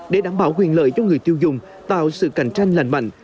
để đảm bảo quyền lợi cho người tiêu dùng tạo sự cạnh tranh lành mạnh